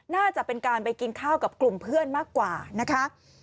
น่าจะเป็นการไปกินข้าวกับกลุ่มเพื่อนมากกว่านะคะ